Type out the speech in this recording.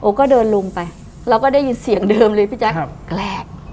โอ้ก็เดินลงไปเราก็ได้ยินเสียงเดิมเลยพี่แจ๊กครับแกรก